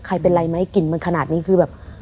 ใครเป็นไรไหมกลิ่นมันขนาดนี้คือแบบ